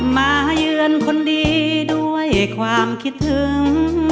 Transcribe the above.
มาเยือนคนดีด้วยความคิดถึง